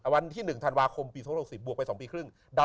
วันที่๑ธันวาคมปี๒๖๐บวกไป๒ปีครึ่ง